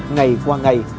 ngày qua ngày